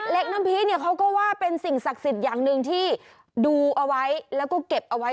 น้ำพีเนี่ยเขาก็ว่าเป็นสิ่งศักดิ์สิทธิ์อย่างหนึ่งที่ดูเอาไว้แล้วก็เก็บเอาไว้